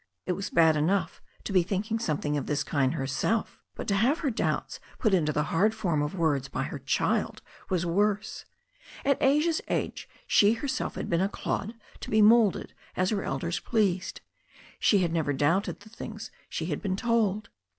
It was bad enough to be thinking something of this kind herself, but to have her doubts put into the hard form of words by her child was worse. At Asia's iage she herself had been a clod to be moulded as her elders pleased. She had never doubted the things she had been told.